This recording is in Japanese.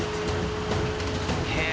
へえ！